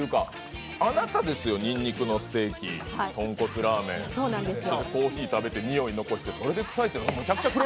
あなたですよ、にんにくのステーキ、とんこつラーメン、コーヒーまで飲んで、臭い残して、それで苦情って。